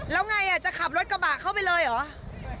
แล้วไงจะขับรถกระบะเข้าไปเลยเหรอ